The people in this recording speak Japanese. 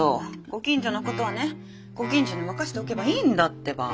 ご近所のことはねご近所に任せておけばいいんだってば。